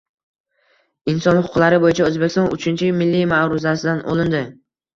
Inson huquqlari bo'yicha O'zbekiston uchinchi milliy ma'ruzasidan olindi.